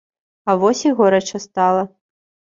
А вось і горача стала.